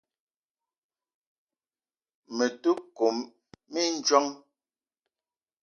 Me te kome mindjong.